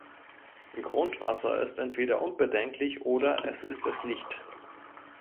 Grundwasser ist entweder unbedenklich oder es ist es nicht.